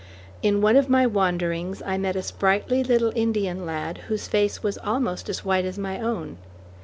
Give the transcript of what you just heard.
In one of my wanderings I met a sprightly little Indian lad, whose face was almost as white as my own.